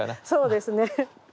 そうですね